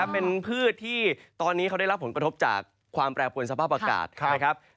เป็นพืชที่ตอนนี้เขาได้รับผลกระทบจากความแปรปวนสภาพอากาศนะครับ